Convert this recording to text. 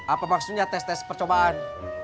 apa maksudnya tes tes percobaan